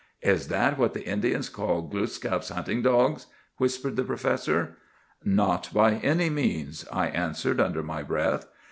"'Is that what the Indians call Gluskâp's Hunting dogs?' whispered the professor. "'Not by any means!' I answered under my breath.